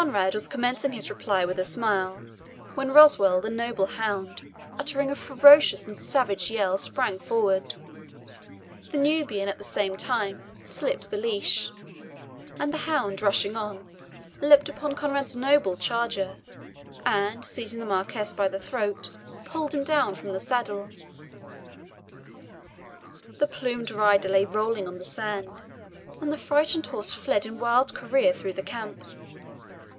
Conrade was commencing his reply with a smile, when Roswal, the noble hound, uttering a furious and savage yell, sprung forward. The Nubian, at the same time, slipped the leash, and the hound, rushing on, leapt upon Conrade's noble charger, and, seizing the Marquis by the throat, pulled him down from the saddle. The plumed rider lay rolling on the sand, and the frightened horse fled in wild career through the camp.